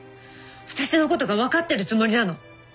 私のことが分かってるつもりなの？